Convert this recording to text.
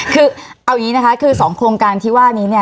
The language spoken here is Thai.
คือเอาอย่างนี้นะคะคือ๒โครงการที่ว่านี้เนี่ย